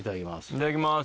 いただきます。